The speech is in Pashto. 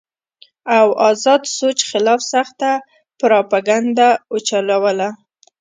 او ازاد سوچ خلاف سخته پراپېګنډه اوچلوله